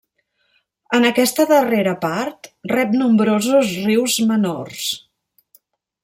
En aquesta darrera part rep nombrosos rius menors.